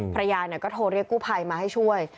ภรรยาก็โทรเรียกกู้ภัยมาให้ช่วย